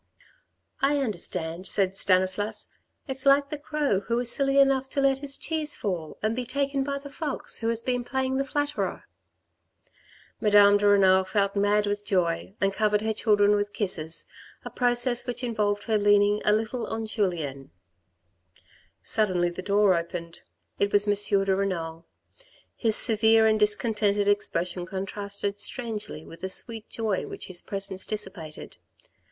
" I understand," said Stanislas, " it's like the crow who is silly enough to let his cheese fall and be taken by the fox who has been playing the flatterer." Madame de Renal felt mad with joy and covered her children with kisses, a process which involved her leaning a little on Julien. Suddenly the door opened. It was M. de Renal. His severe and discontented expression contrasted strangely with the sweet joy which his presence dissipated.